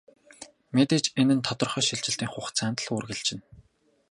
Мэдээж энэ нь тодорхой шилжилтийн хугацаанд л үргэлжилнэ.